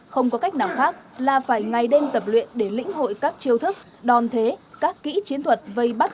không có cách nào khác là phải ngày đêm tập luyện để lĩnh hội các chiêu thức đòn thế các kỹ chiến thuật vây bắt